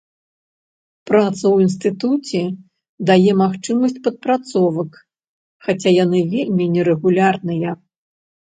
Праца ў інстытуце дае магчымасці падпрацовак, хаця яны вельмі нерэгулярныя.